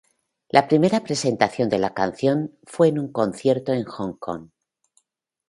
La primera presentación de la canción fue en un concierto en Hong Kong.